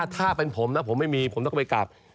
ถ้าเป็นผมนะผมไม่มีผมต้องไปกลับ